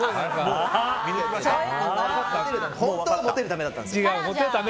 本当はモテるためだったんですよ。